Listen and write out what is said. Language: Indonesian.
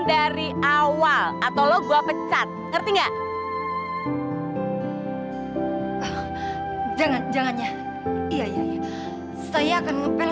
terima kasih dok terima kasih